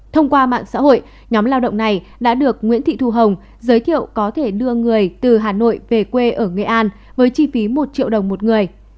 thông qua mạng xã hội nhóm lao động này đã được nguyễn thị thu hồng giới thiệu có thể đưa người từ hà nội về quê ở nghệ an với chi phí một triệu đồng một người